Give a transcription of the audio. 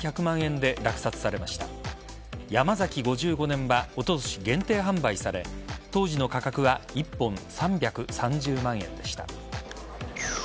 ５５年はおととし限定販売され当時の価格は一本３３０万円でした。